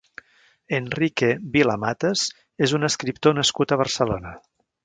Enrique Vila-Matas és un escriptor nascut a Barcelona.